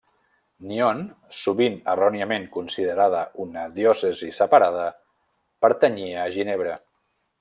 Nyon, sovint erròniament considerada una diòcesi separada, pertanyia a Ginebra.